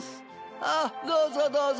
ああどうぞどうぞ。